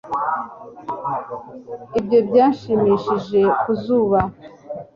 ibyo byanshimishije ku zuba